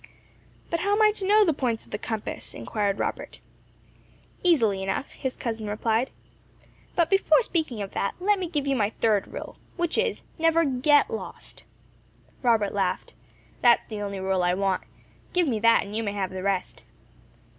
"But how am I to know the points of the compass?" inquired Robert. "Easily enough," his cousin replied. "But before speaking of that, let me give you my third rule, which is, never get lost." Robert laughed. "That is the only rule I want. Give me that and you may have the rest."